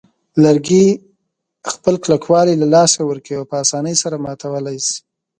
لرګي خپل کلکوالی له لاسه ورکوي او په آسانۍ سره ماتولای شي.